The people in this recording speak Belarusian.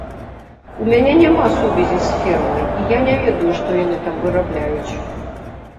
У мяне няма сувязі з фермай, і я не ведаю, што яны там вырабляюць.